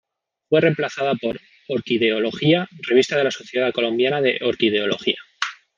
Fue reemplazada por "Orquideología; Revista de la Sociedad Colombiana de Orquideología".